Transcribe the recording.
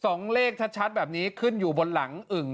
สองเลขชัดแบบนี้ขึ้นอยู่บนหลังอึ่ง